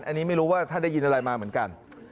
อันนี้ไม่รู้ว่าท่านได้ยินอะไรมาเหมือนกัน